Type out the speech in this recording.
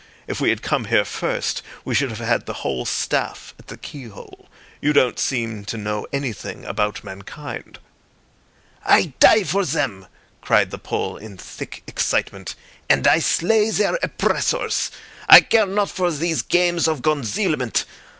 If we had come here first, we should have had the whole staff at the keyhole. You don't seem to know anything about mankind." "I die for zem," cried the Pole in thick excitement, "and I slay zare oppressors. I care not for these games of gonzealment.